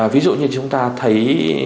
ví dụ như chúng ta thấy